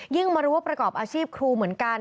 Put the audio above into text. มารู้ว่าประกอบอาชีพครูเหมือนกัน